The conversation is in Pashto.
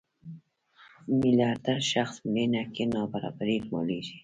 میلیاردر شخص مړینه کې نابرابري لوړېږي.